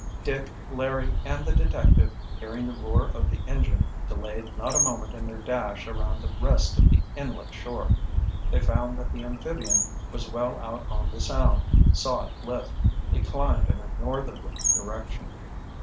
Dick, Larry and the detective, hearing the roar of the engine, delayed not a moment in their dash around the rest of the inlet shore. They found that the amphibian was well out on the Sound, saw it lift. It climbed in a northerly direction.